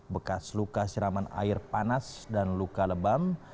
bekas luka siraman air panas dan luka lebam